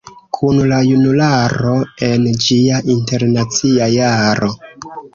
Kun la junularo, en ĝia Internacia Jaro...".